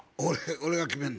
俺が決めんの？